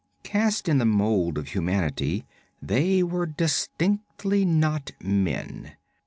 Cast in the mold of humanity, they were distinctly not men.